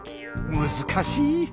難しい。